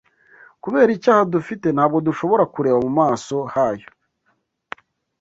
kubera icyaha dufite ntabwo dushobora kureba mu maso hayo;